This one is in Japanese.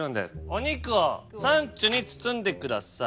お肉をサンチュに包んでください。